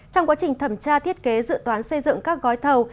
trong quá trình thẩm tra thiết kế dự toán xây dựng các gói thầu